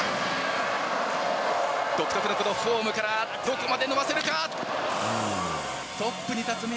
独特のフォームからどこまで伸ばせるか。